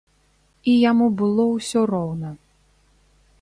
І яму было ўсё роўна.